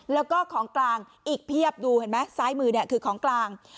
แล้วก็ของกลางอีกเพียบดูเห็นไหมซ้ายมือเนี่ยคือของกลาง